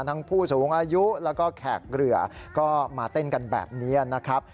ผู้สูงอายุแล้วก็แขกเรือก็มาเต้นกันแบบนี้นะครับ